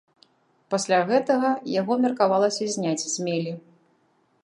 Пасля гэтага яго меркавалася зняць з мелі.